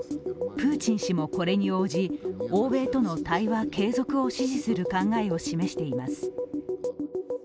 プーチン氏もこれに応じ、欧米との対話継続を支持する考えを示しています。